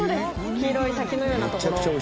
黄色い滝のようなところ。